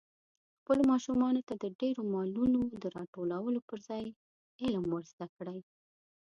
خپلو ماشومانو ته د ډېرو مالونو د راټولولو پر ځای علم ور زده کړئ.